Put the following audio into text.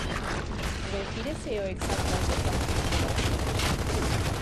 Refírese ao ex alcalde Francisco Vázquez?